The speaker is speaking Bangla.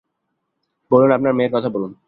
বলুন, আপনার মেয়ের কথা বলুন।